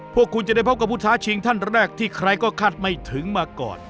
พวกคุณจะได้พบกับผู้ท้าชิงท่านแรกที่ใครก็คาดไม่ถึงมาก่อน